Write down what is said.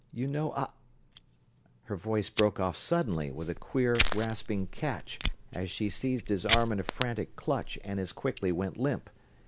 You know, I ..." Her voice broke off suddenly, with a queer, rasping catch, as she seized his arm in a frantic clutch and as quickly went limp.